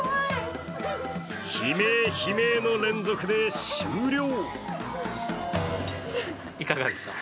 悲鳴悲鳴の連続で終了。